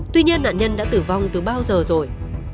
tuy nhiên nạn nhân đã tử vong từ bao giờ rồi